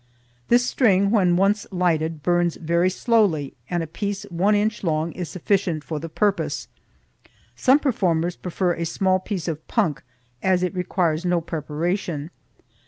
This string, when once lighted, burns very slowly and a piece one inch long is sufficient for the purpose. Some performers prefer a small piece of punk, as it requires no preparation.